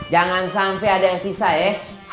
jangan sampai ada yang sisa ya